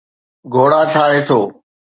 گهوڙا ٺاهي ٿو